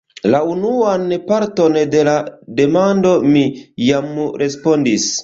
La unuan parton de la demando mi jam respondis.